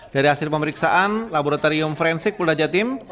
dari hasil pemeriksaan laboratorium forensik polda jatim